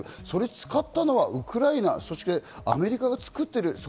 それ使ったのはウクライナ、そしてアメリカが作っている。